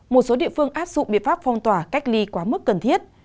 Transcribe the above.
một số địa phương áp dụng biện pháp phong tỏa cách ly quá mức cần thiết